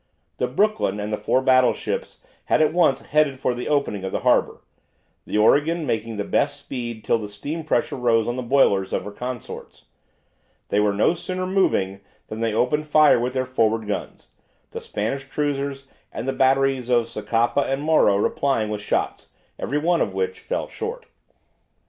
The "Brooklyn" and the four battleships had at once headed for the opening of the harbour, the "Oregon" making the best speed till the steam pressure rose on the boilers of her consorts. They were no sooner moving than they opened fire with their forward guns, the Spanish cruisers and the batteries of Socapa and Morro replying with shots, every one of which fell short.